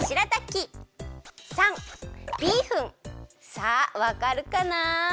さあわかるかな？